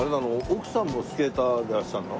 奥さんもスケーターでいらっしゃるの？